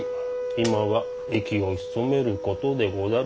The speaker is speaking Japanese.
今は息を潜めることでござる。